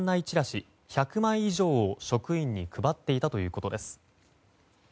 チラシ１００枚以上を職員に配っていたということです。